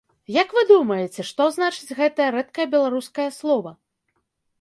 Як вы думаеце, што значыць гэтае рэдкае беларускае слова?